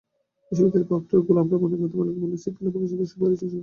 বিশ্ববিদ্যালয়ের প্রক্টর গোলাম রব্বানী প্রথম আলোকে বলেন, শৃঙ্খলা পরিষদের সুপারিশই চূড়ান্ত।